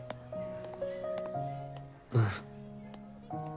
うん。